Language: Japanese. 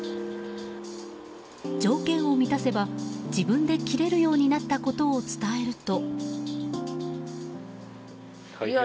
条件を満たせば自分で切れるようになったことを伝えると。